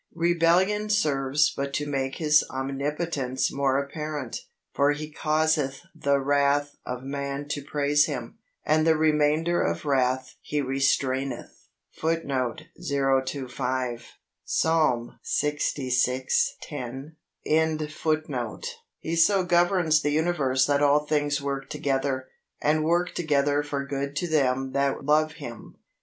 Rebellion serves but to make His omnipotence more apparent, for He causeth the wrath of man to praise Him, and the remainder of wrath He restraineth. He so governs the universe that all things work together, and work together for good to them that love Him.